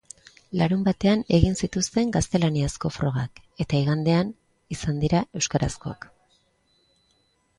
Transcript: Larunbatean egin zituzten gaztelaniazko frogak, eta igandean izan dira euskarazkoak.